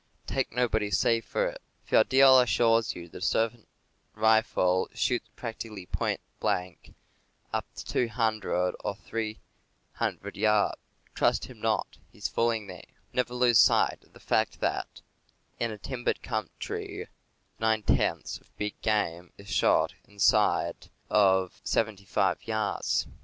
Take nobody's say so for it. If your dealer assures you that a certain rifle shoots practically point blank up to 200 or 300 yards, "trust him not; he's fooling thee." Never lose sight of the fact that, in a timbered country, nine tenths of big game is shot inside of 75 yards.